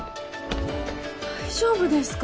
大丈夫ですか？